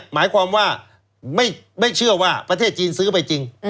หมายความว่าไม่เชื่อว่าประเทศจีนซื้อไปจริง